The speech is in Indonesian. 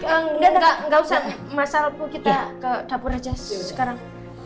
enggak enggak usah masalku kita ke dapur aja sekarang